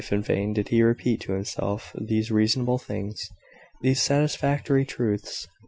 In vain did he repeat to himself these reasonable things these satisfactory truths.